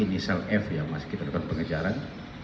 ini sel f yang masih kita lakukan pengejaran